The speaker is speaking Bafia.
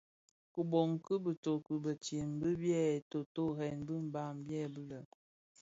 Kiboň ki bitoki bitsem bi byè totorèn bi Mbam byèbi lè: